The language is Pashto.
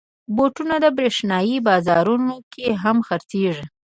بوټونه د برېښنايي بازارونو کې هم خرڅېږي.